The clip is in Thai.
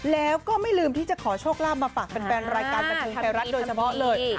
แล้วก็ไม่ลืมที่จะขอโชคล่ามาฝากเป็นแปลงรายการกระทึงแปรรัฐโดยเฉพาะเลย